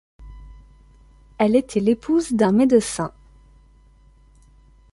Elle était l'épouse d'un médecin.